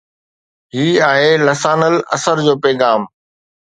هي آهي ”لسان العصر“ جو پيغام